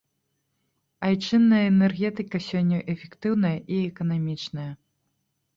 Айчынная энергетыка сёння эфектыўная і эканамічная.